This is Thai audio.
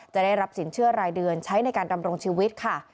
ได้รับสินเชื่อรายเดือนใช้ในการดำรงชีวิตค่ะ